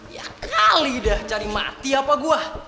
ya nyali dah cari mati apa gua